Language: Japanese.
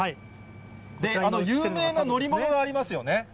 有名な乗り物がありますよね。